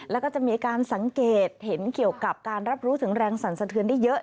แล้วก็จะมีการสังเกตเห็นเกี่ยวกับการรับรู้ถึงแรงสั่นสะเทือนได้เยอะ